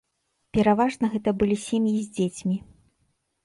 Пераважна гэта былі сем'і з дзецьмі.